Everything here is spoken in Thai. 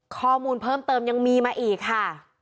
ข้อมูลเพิ่มเติมยังมีมาอีกค่ะ